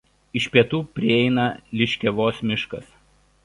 Iš pietų prieina Liškiavos miškas.